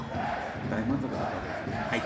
大満足だったわけですね。